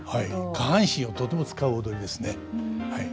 下半身をとても使う踊りですねはい。